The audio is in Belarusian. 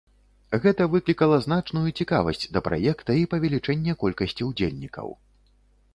Гэта выклікала значную цікавасць да праекта, і павелічэнне колькасці ўдзельнікаў.